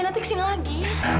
nanti kesini lagi